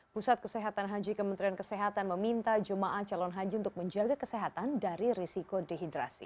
pusat kesehatan haji kementerian kesehatan meminta jemaah calon haji untuk menjaga kesehatan dari risiko dehidrasi